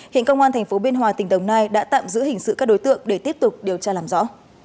hiện công an tp biên hòa tỉnh đồng nai đã tạm giữ hình sự các đối tượng để tiếp tục điều tra làm rõ